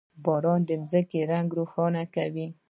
• باران د ځمکې رنګ روښانه کوي.